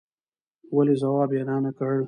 ولې ځواب يې را نه کړ